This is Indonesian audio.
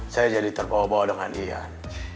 saya jadi terbawa bawa dengan ian